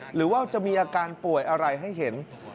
หรือว่าจะมีอาการป่วยอะไรให้เห็น